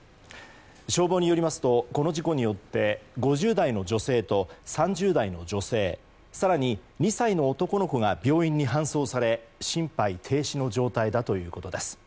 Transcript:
消防によりますとこの事故によって５０代の女性と３０代の女性更に２歳の男の子が病院に搬送され心肺停止の状態だということです。